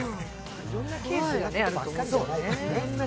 いろんなケースがあるからね。